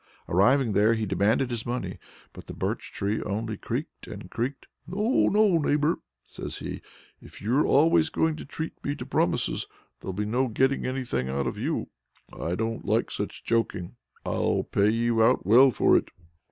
Arriving there, he demanded his money; but the Birch tree only creaked and creaked. "No, no, neighbor!" says he. "If you're always going to treat me to promises, there'll be no getting anything out of you. I don't like such joking; I'll pay you out well for it!"